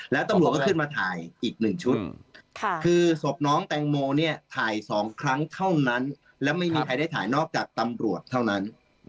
แล้วตำรวจก็ขึ้นมาถ่ายอีก๑ชุดคือศพน้องแตงโมถ่าย๒ครั้งเท่านั้นและไม่มีใครได้ถ่ายนอกจากตำรวจเท่านั้น